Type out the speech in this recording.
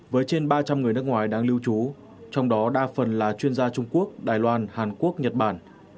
với trên ba trăm linh người nước ngoài đang lưu trú trong đó đa phần là chuyên gia trung quốc đài loan hàn quốc nhật bản